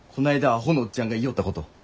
アホのおっちゃんが言いよったこと。